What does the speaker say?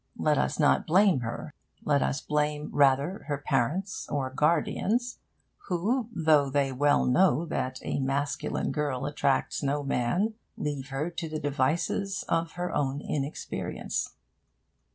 Let us not blame her. Let us blame rather her parents or guardians, who, though they well know that a masculine girl attracts no man, leave her to the devices of her own inexperience.